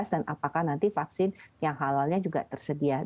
dan apakah nanti vaksin yang halalnya juga tersedia